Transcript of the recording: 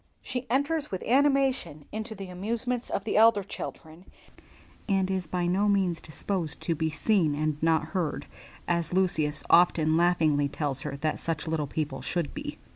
She enters with animation into the amusements of the elder children, and is by no means disposed to be seen and not heard, as Lucius often laughingly tells her that such little people should be.